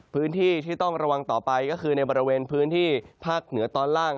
พื้นที่ที่ต้องระวังต่อไปก็คือในบริเวณพื้นที่ภาคเหนือตอนล่าง